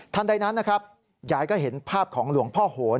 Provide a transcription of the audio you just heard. ทันใดนั้นยายก็เห็นภาพของหลวงพ่อโหน